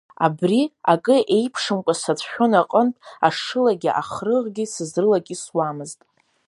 Абри акы еиԥшымкәа сацәшәон аҟынтә ашылагьы ахрыӷгьы сызрылакьысуамызт.